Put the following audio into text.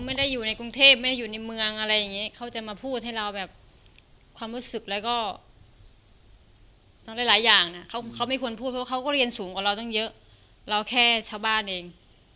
ไม่ได้อยู่ในกรุงเทพไม่ได้อยู่ในเมืองอะไรอย่างนี้เขาจะมาพูดให้เราแบบความรู้สึกแล้วก็หลายอย่างนะเขาไม่ควรพูดเพราะเขาก็เรียนสูงกว่าเราตั้งเยอะเราแค่ชาวบ้านเอง